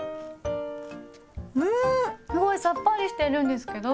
うんすごいさっぱりしてるんですけど。